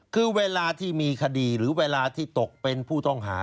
คือเวลาที่มีคดีหรือเวลาที่ตกเป็นผู้ต้องหา